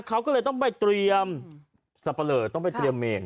เขาก็เลยต้องไปเตรียมสับปะเลอต้องไปเตรียมเมน